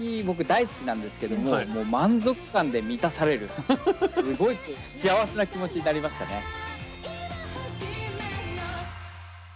僕大好きなんですけどももう満足感で満たされるすごい幸せな気持ちになりましたね。